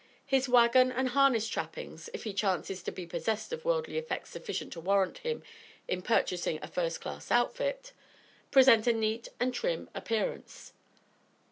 His wagon and harness trappings, if he chances to be possessed of worldly effects sufficient to warrant him in purchasing a first class outfit, present a neat and trim appearance.